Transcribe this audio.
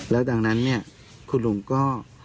แล้วดังนั้นเนี่ยคุณลุงก็